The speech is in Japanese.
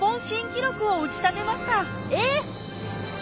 えっ！